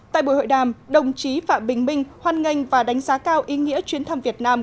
tại buổi hội đàm đồng chí phạm bình minh hoan nghênh và đánh giá cao ý nghĩa chuyến thăm việt nam